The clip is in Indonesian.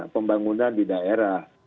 pembangunan di daerah